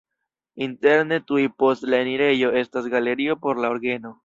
Interne tuj post la enirejo estas galerio por la orgeno.